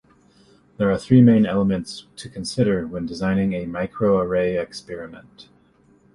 There are three main elements to consider when designing a microarray experiment.